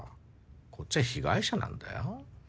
こっちは被害者なんだよ。